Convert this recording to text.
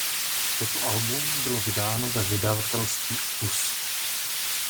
Toto album bylo vydáno ve vydavatelství Opus.